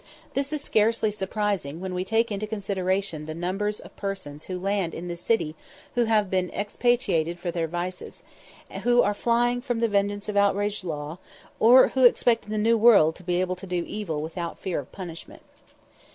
This is scarcely surprising when we take into consideration the numbers of persons who land in this city who have been expatriated for their vices, who are flying from the vengeance of outraged law, or who expect in the New World to be able to do evil without fear of punishment.